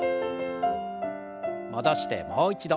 戻してもう一度。